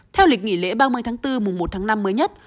theo lịch nghỉ lễ ba mươi tháng bốn mùa một tháng năm mới nhất